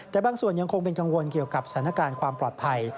แต่บางส่วนยังคงเป็นกังวลเกี่ยวกับสถานการณ์ความปลอดภัย